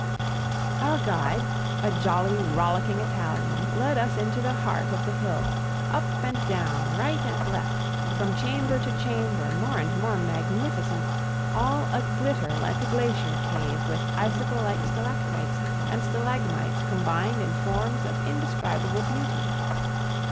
Our guide, a jolly, rollicking Italian, led us into the heart of the hill, up and down, right and left, from chamber to chamber more and more magnificent, all a glitter like a glacier cave with icicle like stalactites and stalagmites combined in forms of indescribable beauty.